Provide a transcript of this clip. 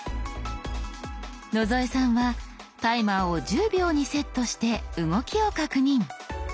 野添さんはタイマーを１０秒にセットして動きを確認。